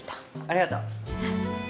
ありがとう。